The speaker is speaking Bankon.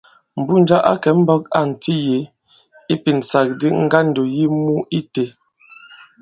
Mbunja a kɛ̀ imbɔ̄k ànti yě ipìnsàgàdi ŋgandò yi mû itē.